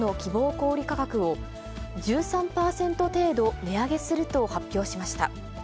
小売り価格を、１３％程度値上げすると発表しました。